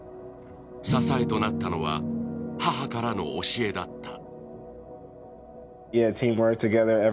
支えとなったのは母からの教えだった。